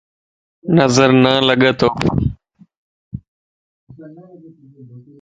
نظر نه لڳ توک